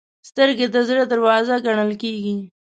سترګې د زړه دروازه ګڼل کېږي